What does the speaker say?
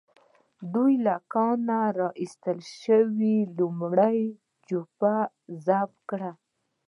دوی له کانه را ايستل شوې لومړۍ جوپه ذوب کړه.